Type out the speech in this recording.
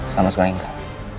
kamu sekali enggak